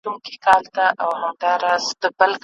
ډکي هدیرې به سي تشي بنګلې به سي